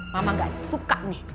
mama gak suka nih